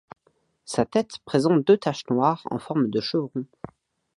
Sa tête présente deux taches noires en forme de chevron.